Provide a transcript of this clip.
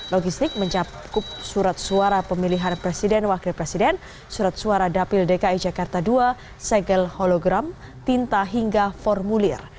logistik mencakup surat suara pemilihan presiden wakil presiden surat suara dapil dki jakarta ii segel hologram tinta hingga formulir